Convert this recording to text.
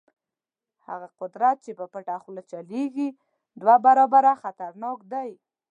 هغه قدرت چې په پټه چلول کېږي دوه برابره خطرناک دی.